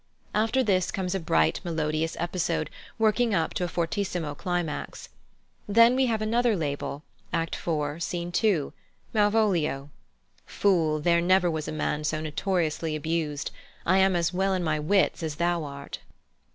After this comes a bright, melodious episode working up to a fortissimo climax. Then we have another label, Act iv., Scene 2, Malvolio, "Fool, there never was a man so notoriously abused. I am as well in my wits as thou art."